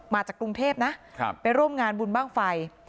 มาจากกรุงเทพนะไปร่วมงานบุญบ้างไฟ